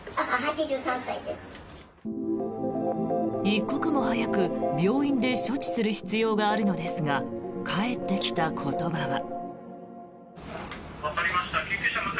一刻も早く、病院で処置する必要があるのですが返ってきた言葉は。